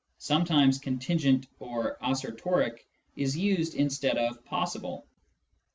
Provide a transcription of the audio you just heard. (Sometimes contingent or assertoric is used instead of possible.)